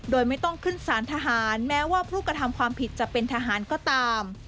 โดยไม่ต้องขึ้นสารทหารแม้ว่าผู้กระทำความผิดจะเป็นทหารก็ตาม